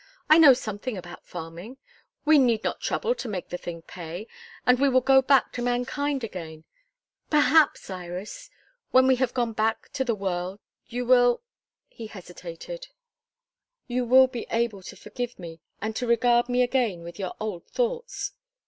I know something about farming. We need not trouble to make the thing pay. And we will go back to mankind again. Perhaps, Iris when we have gone back to the world you will " he hesitated "you will be able to forgive me, and to regard me again with your old thoughts.